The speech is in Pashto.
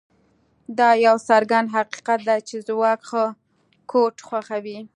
دا یو څرګند حقیقت دی چې ځواک ښه کوډ خوښوي